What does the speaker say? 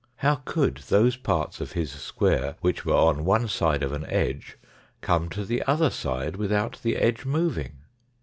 How could those parts of his square which were on one side of an edge come to the other side without the edge moving